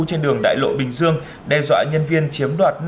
trên đường đại lộ bình dương đe dọa nhân viên chiếm đoạt